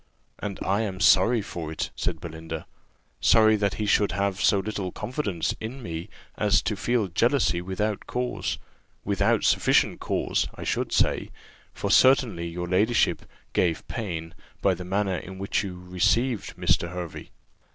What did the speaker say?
"And I am sorry for it," said Belinda; "sorry that he should have so little confidence in me as to feel jealousy without cause without sufficient cause, I should say; for certainly your ladyship gave pain, by the manner in which you received Mr. Hervey."